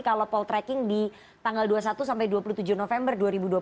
kalau poltreking di tanggal dua puluh satu sampai dua puluh tujuh november dua ribu dua puluh